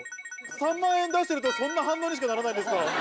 ３万円出してると、そんな反応にしかならないんですか？